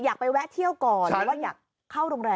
อยากไปแวะเที่ยวก่อนหรือว่าอยากเข้าโรงแรม